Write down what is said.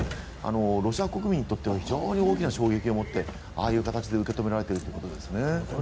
ロシア国民にとっては非常に大きな衝撃を持ってああいう形で受け止められているということですね。